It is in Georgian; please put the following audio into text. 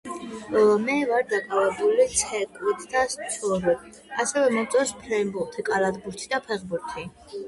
მე ვარ დაკავებული ცეკვით და აქტივობებით ასევე მომწონს ფრენბურთი კალათბურთი და ფეხბურთი